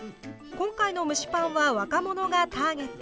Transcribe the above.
今回の蒸しパンは若者がターゲット。